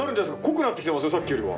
濃くなってきてますよ